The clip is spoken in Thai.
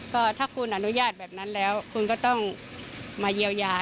ก็ถ้าคุณอนุญาตแบบนั้นแล้วคุณก็ต้องมาเยียวยา